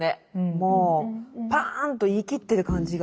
もうパーンと言い切ってる感じが。